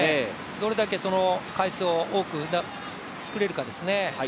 どれだけ、その回数を多く作れるかですね。